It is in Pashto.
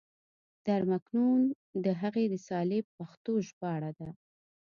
در مکنون د هغې رسالې پښتو ژباړه ده.